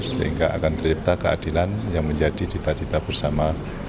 sehingga akan tercipta keadilan yang menjadi cita cita bersama